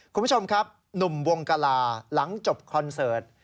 คุณผู้ชมครับหนุ่มวงกลาหลังจบคอนเสิร์ต